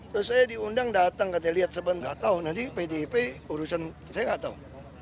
terus saya diundang datang katanya lihat sebentar nggak tahu nanti pdip urusan saya nggak tahu